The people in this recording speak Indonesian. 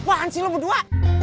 apa apaan sih lo berdua